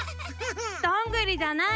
どんぐりじゃない！